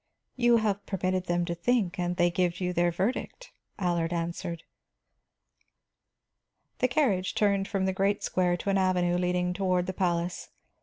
"You have permitted them to think, and they give you their verdict," Allard answered. The carriage turned from the great square to an avenue leading toward the palace.